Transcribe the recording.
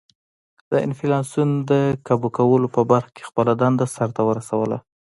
د انفلاسیون د کابو کولو په برخه کې خپله دنده سر ته ورسوله.